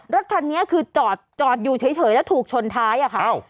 รถคันนี้คือจอดจอดอยู่เฉยแล้วถูกชนท้ายอะค่ะ